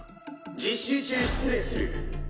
実習中失礼する。